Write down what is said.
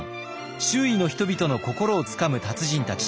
周囲の人々の心をつかむ達人たち。